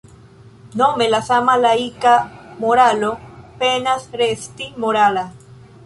Nome la sama laika moralo penas resti morala.